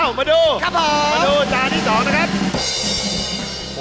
อ้าวมาดูมาดูจานที่๒นะครับ